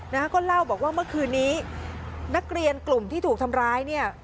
นะฮะก็เล่าบอกว่าเมื่อคืนนี้นักเรียนกลุ่มที่ถูกทำร้ายเนี่ย